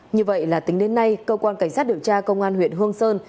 như vậy là tính đến nay cơ quan cảnh sát điều tra công an huyện hương sơn